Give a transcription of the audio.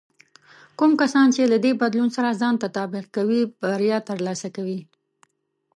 کوم کسان چې له دې بدلون سره ځان تطابق کې کوي، بریا ترلاسه کوي.